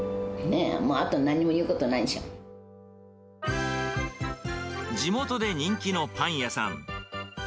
ねえ、地元で人気のパン屋さん。